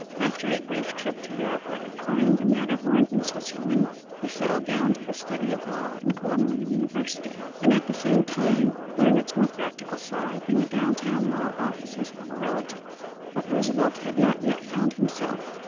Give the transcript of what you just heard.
After a brief trip to Europe, where he climbed the Matterhorn in Switzerland, he settled down to the study of law in Columbia University, and at the same time learned its more practical side in the downtown law offices of a relative. But Roosevelt had not yet found himself.